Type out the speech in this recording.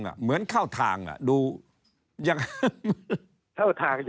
เข้าทางอย่างไรครับ